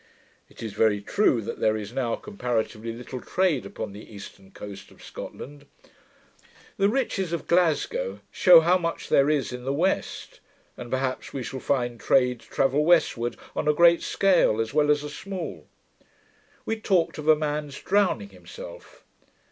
It is very true, that there is now, comparatively, little trade upon the eastern coast of Scotland. The riches of Glasgow shew how much there is in the west; and perhaps we shall find trade travel westward on a great scale, as well as a small. We talked of a man's drowning himself.